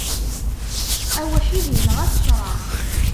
Awḥid, inɣa-t ccṛaɛ.